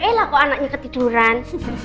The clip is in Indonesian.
eh lah kok anaknya ketiduran